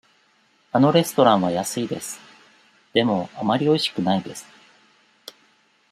あのレストランは安いです。でも、あまりおいしくないです。